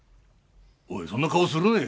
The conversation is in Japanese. おいそんな顔するな。